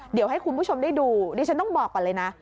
เดี๋ยวให้คุณผู้ชมได้ดูดิฉันต้องบอกก่อนเลยนะ